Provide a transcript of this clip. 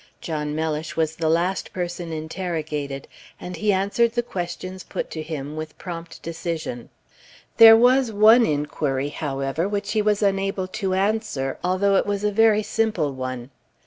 John Mellish was the last person interrogated, and he answered the questions put to him with prompt decision. Page 135 There was one inquiry, however, which he was unable to answer, although it was a very simple one.